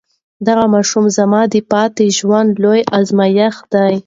دغه ماشوم زما د پاتې ژوند لوی ازمېښت دی.